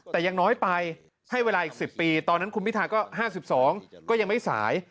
แต่ยังน้อยไปให้เวลาอีก๑๐ปีตอนนั้นคุณพิทาก็๕๒ก็ยังไม่สาย